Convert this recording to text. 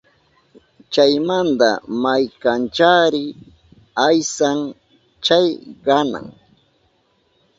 Chaymanta maykanchari aysan chay qanan